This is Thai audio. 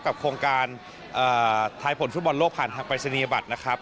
โครงการทายผลฟุตบอลโลกผ่านทางปรายศนียบัตรนะครับ